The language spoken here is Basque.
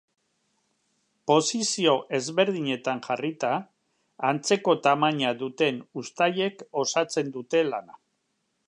Posizio ezberdinetan jarrita, antzeko tamaina duten uztaiek osatzen dute lana.